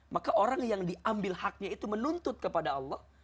maka orang yang diambil haknya itu menuntut kepada allah